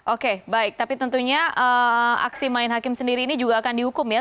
oke baik tapi tentunya aksi main hakim sendiri ini juga akan dihukum ya